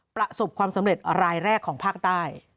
ประสบความสำเร็จรายแรกของภาคใต้